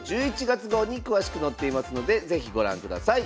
１１月号に詳しく載っていますので是非ご覧ください。